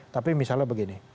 tapi misalnya begini